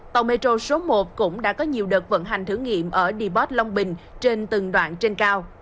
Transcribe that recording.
tàu metro số một cũng đã có nhiều đợt vận hành thử nghiệm ở deport long bình trên từng đoạn trên cao